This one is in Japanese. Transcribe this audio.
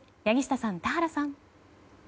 柳下さん、田原さん。